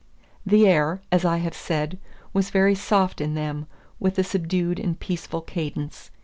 The air, as I have said, was very soft in them, with a subdued and peaceful cadence.